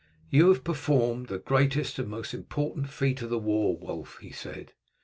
"You have performed the greatest and most important feat of the war, Wulf," he said.